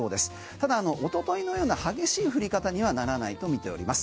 ただ、おとといのような激しい降り方にはならないと見ております。